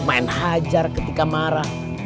main hajar ketika marah